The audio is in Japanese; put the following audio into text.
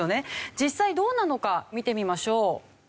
実際どうなのか見てみましょう。